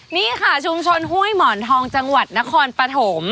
นี่ค่ะชุมชนห้วยหมอนทองจังหวัดนครปฐม